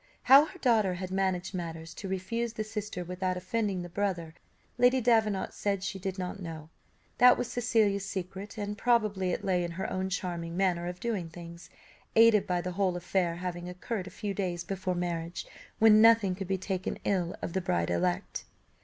How her daughter had managed matters to refuse the sister without offending the brother, Lady Davenant said she did not know; that was Cecilia's secret, and probably it lay in her own charming manner of doing things, aided by the whole affair having occurred a few days before marriage, when nothing could be taken ill of the bride elect.